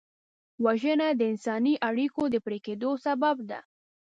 وژنه د انساني اړیکو د پرې کېدو سبب ده